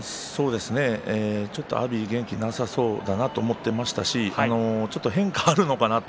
ちょっと阿炎元気なさそうだなと思っていましたしちょっと変化があるのかなと